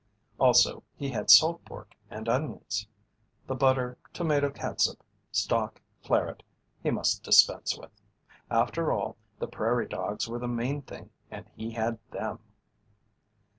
Also he had salt pork and onions. The butter, tomato catsup, stock, claret, he must dispense with. After all, the prairie dogs were the main thing and he had them.